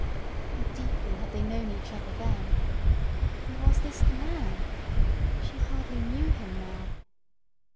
How deeply had they known each other then! And was this the man? She hardly knew him now!